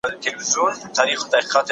د انسان پر شخصیت ژور اغېز غورځول سوی دی.